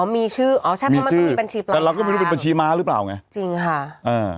มีชื่อเราไม่รู้มันเป็นบาญชีม้าหรือเปล่าไง